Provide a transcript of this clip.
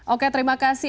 oke terima kasih